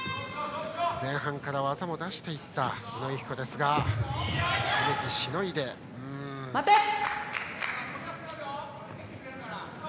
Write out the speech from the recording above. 前半から技を出していった宇野友紀子ですが梅木がしのいでいる。